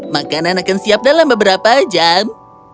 makanan akan siap dalam beberapa jam